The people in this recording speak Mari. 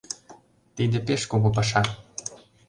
Тиде пеш кугу паша.